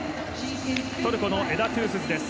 トルコのエダ・トゥースズです。